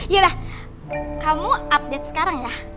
iya kamu update sekarang ya